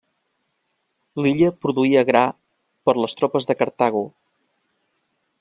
L'illa produïa gra per les tropes de Cartago.